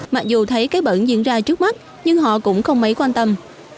mặc dù thấy cái bẩn diễn ra trước mắt nhưng họ cũng không mấy quan tâm